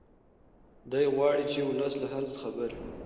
دی غواړي چې ولس له هر څه خبر وي.